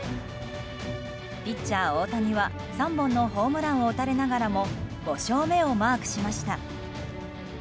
ピッチャー大谷は、３本のホームランを打たれながらも５勝目をマークしました。